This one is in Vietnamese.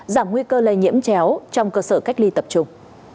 giảm nguy cơ lây nhiễm chéo trong cơ sở cách ly tập trung